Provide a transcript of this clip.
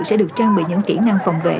sẽ được trang bị những kỹ năng phòng vệ